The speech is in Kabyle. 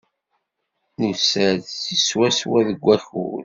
Nusa-d deg swaswa deg wakud.